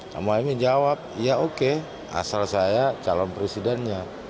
pak muhaymin jawab ya oke asal saya calon presidennya